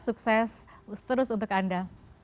sukses terus untuk anda